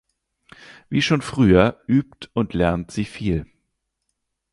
Wie schon früher übt und lernt sie viel.